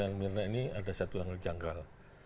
dalam satu kematian mirna ini ada satu hal yang menjanggal